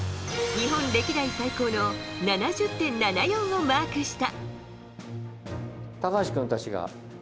日本歴代最高の７０．７４をマークした。